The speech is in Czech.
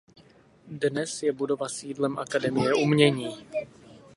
Dnes je budova sídlem Akademie umění.